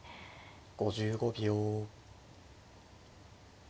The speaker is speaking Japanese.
５５秒。